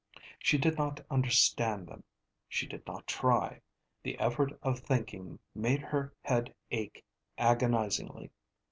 She did not understand them, she did not try. The effort of thinking made her head ache agonisingly.